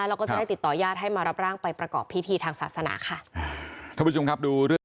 เราก็จะได้ติดต่อญาติให้มารับร่างไปประกอบพิธีทางศาสนาค่ะ